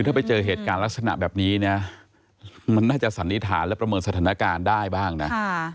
ถ้าไปเจอเหตุการณ์ลักษณะแบบนี้เนี่ยมันน่าจะสันนิษฐานและประเมินสถานการณ์ได้บ้างนะ